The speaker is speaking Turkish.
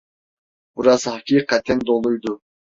Burası hakikaten doluydu.